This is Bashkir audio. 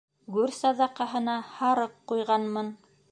Гүр саҙаҡаһына һарыҡ ҡуйғанмын.